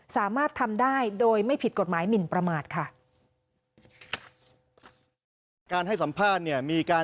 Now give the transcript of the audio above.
สามารถทำได้โดยไม่ผิดกฎหมายหมินประมาทค่ะ